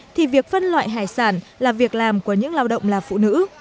thì việc phân loại hải sản là việc làm của những lao động là phụ nữ